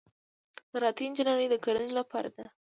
زراعتي انجنیری د کرنې لپاره ده.